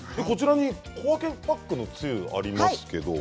小分けパックのつゆがあります。